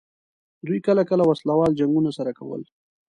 دوی کله کله وسله وال جنګونه سره کول.